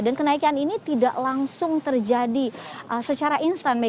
dan kenaikan ini tidak langsung terjadi secara instan